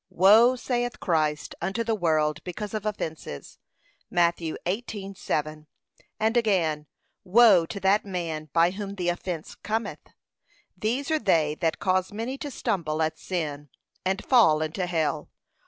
'Woe,' saith Christ, 'unto the world because of offences,' (Matt. 18:7). And again, 'Woe to that man by whom the offence cometh!' These are they that cause many to stumble at sin, and fall into hell.